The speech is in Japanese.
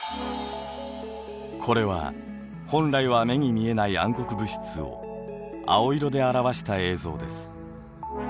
これは本来は目に見えない暗黒物質を青色で表した映像です。